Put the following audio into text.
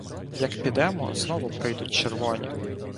Як підемо - знову прийдуть червоні.